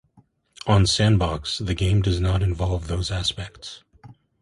On sandbox, the game does not involve those aspects.